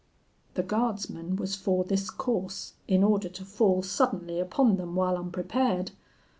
The guardsman was for this course, in order to fall suddenly upon them while unprepared.